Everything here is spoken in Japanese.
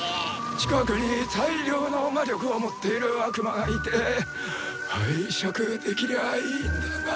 近くに大ッッ量の魔力を持っている悪魔がいて拝借できりゃあいいんだが。